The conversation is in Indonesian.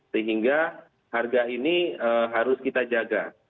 sehingga harga ini harus kita jaga